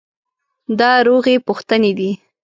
دا روغې پوښتنې دي.